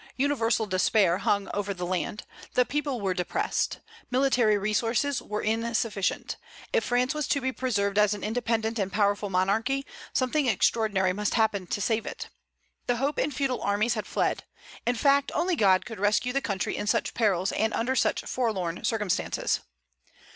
Universal despair hung over the land. The people were depressed. Military resources were insufficient. If France was to be preserved as an independent and powerful monarchy, something extraordinary must happen to save it. The hope in feudal armies had fled. In fact, only God could rescue the country in such perils and under such forlorn circumstances.